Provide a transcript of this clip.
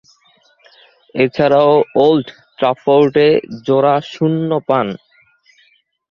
এছাড়াও, ওল্ড ট্রাফোর্ডে জোড়া শূন্য পান।